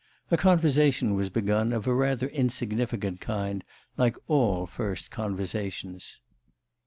A conversation was begun of a rather insignificant kind, like all first conversations.